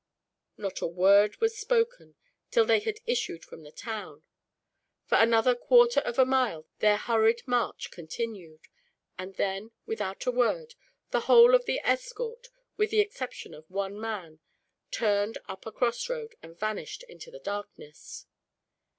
Not a word was spoken, till they had issued from the town. For another quarter of a mile their hurried march continued; and then, without a word, the whole of the escort, with the exception of one man, turned up a crossroad and vanished into the darkness.